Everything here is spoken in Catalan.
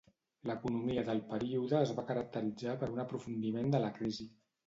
L'economia del període es va caracteritzar per un aprofundiment de la crisi.